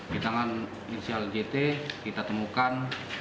di tangan inisial jt kita temukan